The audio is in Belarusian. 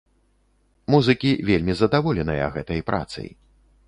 Музыкі вельмі задаволеныя гэтай працай.